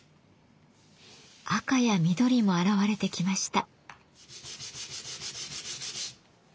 赤や緑も現れてきました。